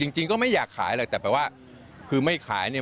จริงก็ไม่อยากขายเลยแต่แปลว่าคือไม่ขายเนี่ย